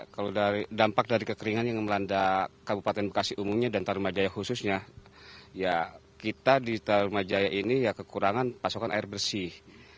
kalau dampak dari kekeringan yang melanda kabupaten bekasi umumnya dan tarumajaya khususnya ya kita di tarumajaya ini ya kekurangan pasokan air bersih